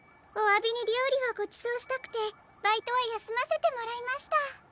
おわびにりょうりをごちそうしたくてバイトはやすませてもらいました。